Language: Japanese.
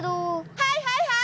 はいはいはい！